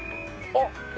あっ。